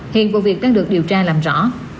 hiện vụ việc đang được điều tra làm rõ